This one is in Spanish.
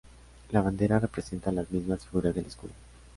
La bandera representa las mismas figuras del escudo.